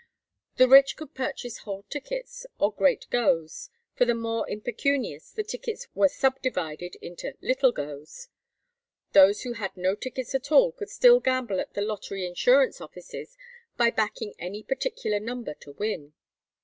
The rich could purchase whole tickets, or "great goes;" for the more impecunious the tickets were sub divided into "little goes." Those who had no tickets at all could still gamble at the lottery insurance offices by backing any particular number to win.